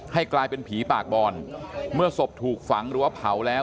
ให้กลายเป็นผีปากบอลเมื่อศพถูกฝังหรือว่าเผาแล้ว